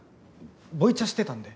ボイチャしてたんで。